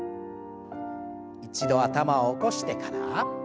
一度頭を起こしてから。